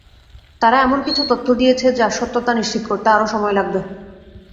তারা এমন কিছু তথ্য দিয়েছে, যার সত্যতা নিশ্চিত করতে আরও সময় লাগবে।